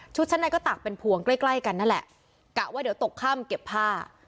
ชั้นในก็ตักเป็นพวงใกล้ใกล้กันนั่นแหละกะว่าเดี๋ยวตกค่ำเก็บผ้า